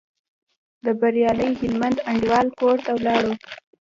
د بریالي هلمند انډیوال کور ته ولاړو.